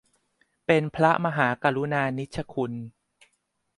เป็นพระมหากรุณานิชคุณ